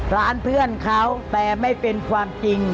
ร้านเพื่อนเขาแต่ไม่เป็นความจริง